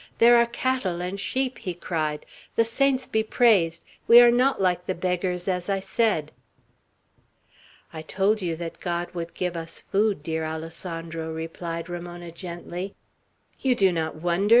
There are cattle and sheep," he cried. "The saints be praised! We are not like the beggars, as I said." "I told you that God would give us food, dear Alessandro," replied Ramona, gently. "You do not wonder!